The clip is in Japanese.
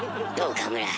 岡村。